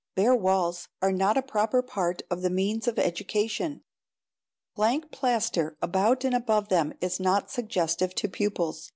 Bare walls are not a proper part of the means of education; blank plaster about and above them is not suggestive to pupils."